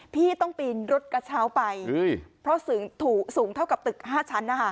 พี่ต้องปีนรถกระเช้าไปเพราะสูงถูกสูงเท่ากับตึก๕ชั้นนะคะ